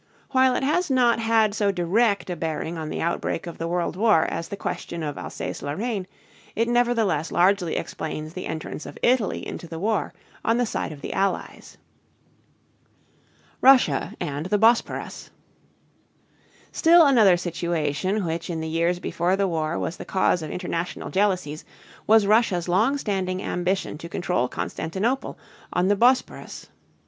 While it has not had so direct a bearing on the outbreak of the World War as the question of Alsace Lorraine, it nevertheless largely explains the entrance of Italy into the war on the side of the Allies. RUSSIA AND THE BOSPORUS. Still another situation which in the years before the war was the cause of international jealousies was Russia's long standing ambition to control Constantinople on the Bos´porus.